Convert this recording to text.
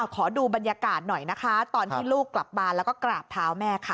ขอดูบรรยากาศหน่อยนะคะตอนที่ลูกกลับมาแล้วก็กราบเท้าแม่ค่ะ